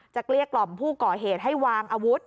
เกลี้ยกล่อมผู้ก่อเหตุให้วางอาวุธ